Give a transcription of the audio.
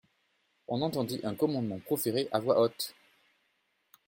On entendit un commandement proféré à voix haute.